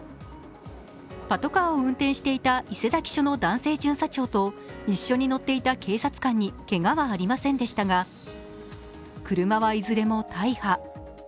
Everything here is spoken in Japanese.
パトカーを運転していた伊勢崎署の男性巡査長と一緒に乗っていた男性警察官にけがはありませんでしたが、車はいずれも大破。